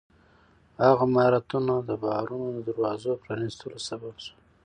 هغه مهارتونه د بحرونو د دروازو پرانیستلو سبب شول.